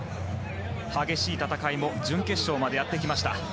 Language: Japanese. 激しい戦いも準決勝までやってきました。